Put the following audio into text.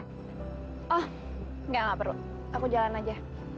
oh enggak enggak perlu aku jalan aja